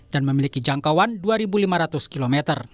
dan memiliki jangkauan dua lima ratus km